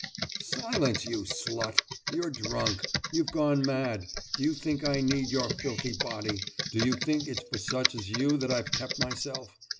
« »Silence, you slut! You're drunk. You've gone mad! Do you think I need your filthy body? Do you think it's for such as you that I've kept myself?